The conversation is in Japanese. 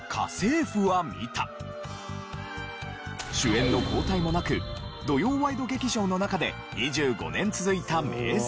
主演の交代もなく土曜ワイド劇場の中で２５年続いた名作。